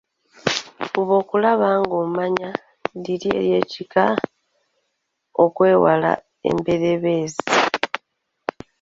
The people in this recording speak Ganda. Fuba okulaba ng'omanya liri ery’ekika okwewala emberebezi.